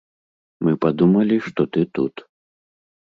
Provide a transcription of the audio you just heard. Мы падумалі, што ты тут.